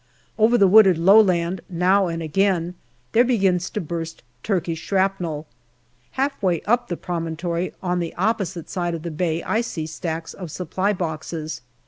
Over the wooded low land now and again there begins to burst Turkish shrapnel. Half way up the promontory on the opposite side of the bay I see stacks of Supply boxes.